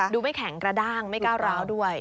ไม่แข็งกระด้างไม่ก้าวร้าวด้วย